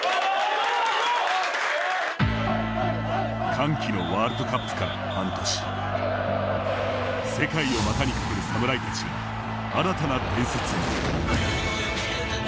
歓喜のワールドカップから半年世界をまたにかけるサムライたちが新たな伝説を。